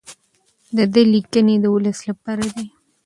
د ده لیکنې د ولس لپاره دي.